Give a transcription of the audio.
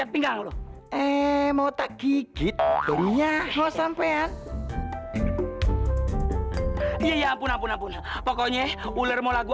pinggang lu eh mau tak gigit punya mau sampe ya iya ampun ampun ampun pokoknya ular mau lagu